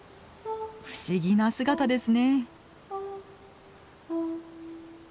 不思議な姿ですね。